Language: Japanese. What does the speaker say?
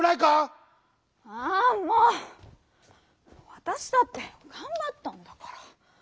わたしだってがんばったんだから。